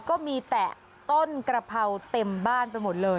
ก็มีแต่ต้นกระเพราเต็มบ้านไปหมดเลย